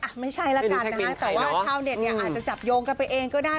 อ้าไม่ใช่ล่ะกันเพราะว่าเข้าเน็ตเนี่ยอาจจะจับโยงกันไปเองก็ได้